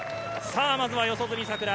まずは四十住さくら。